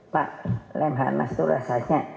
pak lemhanas itu rasanya